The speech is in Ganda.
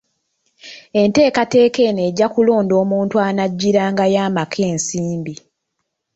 Entekateka eno ejja kulonda omuntu anaggyirangayo amaka ensimbi .